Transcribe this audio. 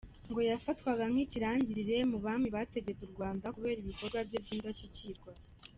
Ngo yafatwaga nk’ikirangirire mu bami bategetse u Rwanda kubera ibikorwa bye by’indashyikirwa.